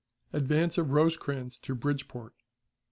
Advance of Rosecrans to Bridgeport.